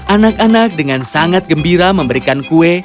anak anak dengan sangat gembira memberikan kue